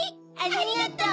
ありがとう！